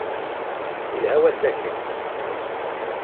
Yelha wass-aki.